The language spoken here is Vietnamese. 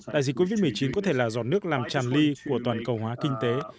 đại dịch covid một mươi chín có thể là giọt nước làm tràn ly của toàn cầu hóa kinh tế